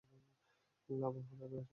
লাবান হারানে বসবাস করতেন।